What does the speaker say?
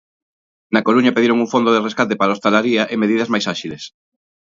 Na Coruña pediron un fondo de rescate para a hostalería e medidas máis áxiles.